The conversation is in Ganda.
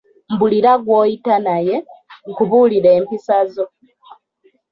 Mbulira gw’oyita naye, nkubuulire empisazo.